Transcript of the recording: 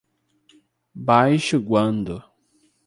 Baixo Guandu